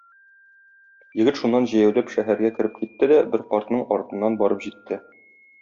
Егет шуннан җәяүләп шәһәргә кереп китте дә бер картның артыннан барып җитте.